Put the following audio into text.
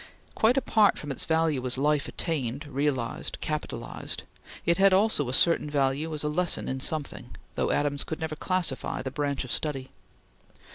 Quite apart from its value as life attained, realized, capitalized, it had also a certain value as a lesson in something, though Adams could never classify the branch of study.